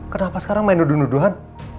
kenapa sekarang main duduhan duduhan